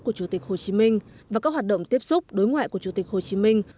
của chủ tịch hồ chí minh và các hoạt động tiếp xúc đối ngoại của chủ tịch hồ chí minh